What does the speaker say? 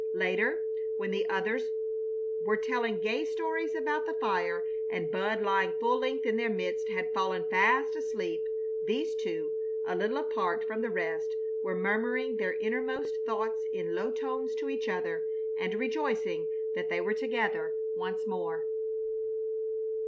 Later, when the others were telling gay stories about the fire, and Bud lying full length in their midst had fallen fast asleep, these two, a little apart from the rest, were murmuring their innermost thoughts in low tones to each other, and rejoicing that they were together once more.